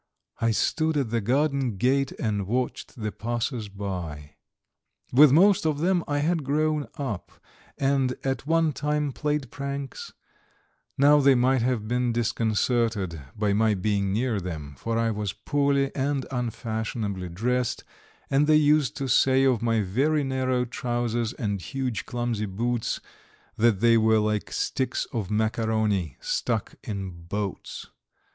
I stood at the garden gate and watched the passers by. With most of them I had grown up and at one time played pranks; now they might have been disconcerted by my being near them, for I was poorly and unfashionably dressed, and they used to say of my very narrow trousers and huge, clumsy boots that they were like sticks of macaroni stuck in boats.